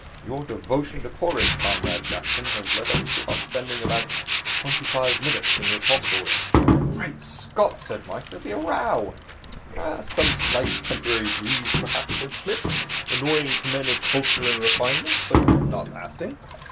Your devotion to porridge, Comrade Jackson, has led to our spending about twenty five minutes in this hostelry.' 'Great Scott,' said Mike, 'there'll be a row.' 'Some slight temporary breeze, perhaps,' said Psmith. 'Annoying to men of culture and refinement, but not lasting.